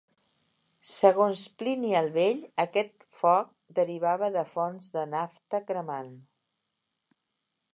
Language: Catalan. Segons Plini el Vell aquest foc derivava de fonts de nafta cremant.